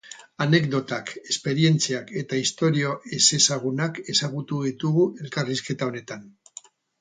Anekdotak, esperientziak eta istorio ezezagunak ezagutu ditugu elkarrizketa honetan.